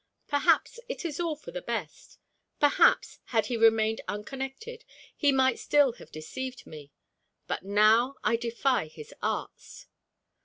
Perhaps it is all for the best. Perhaps, had he remained unconnected, he might still have deceived me; but now I defy his arts.